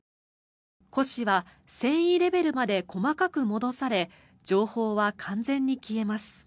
古紙は繊維レベルまで細かく戻され情報は完全に消えます。